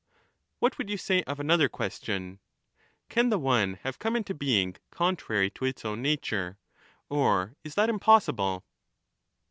What would you say of another question ? Can the one have come into being contrary to its own nature, or is that impossible